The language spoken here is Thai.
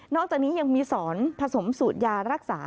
อกจากนี้ยังมีสอนผสมสูตรยารักษา